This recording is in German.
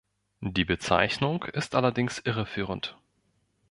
Die Bezeichnung ist allerdings irreführend.